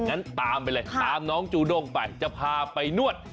งั้นตามไปเลยตามน้องจูด้งไปจะพาไปนวด